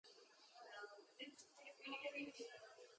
Copies, when they are sold, sell for over a thousand dollars.